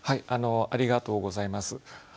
ありがとうございます。